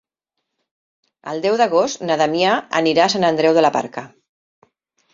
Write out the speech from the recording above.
El deu d'agost na Damià anirà a Sant Andreu de la Barca.